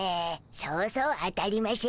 そうそう当たりましぇんね。